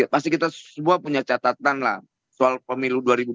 pasti kita semua punya catatan lah soal pemilu dua ribu dua puluh